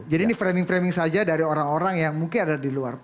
jadi ini framing framing saja dari orang orang yang mungkin ada di luar